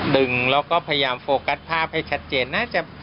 ดึงแล้วก็พยายามโฟกัสภาพให้ชัดเจนน่าจะ